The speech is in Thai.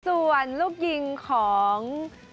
ส่วนลูกยิงของ